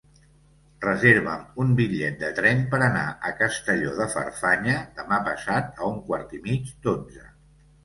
Reserva'm un bitllet de tren per anar a Castelló de Farfanya demà passat a un quart i mig d'onze.